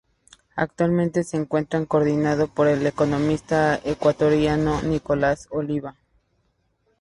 Actualmente, se encuentra coordinado por el economista ecuatoriano Nicolás Oliva.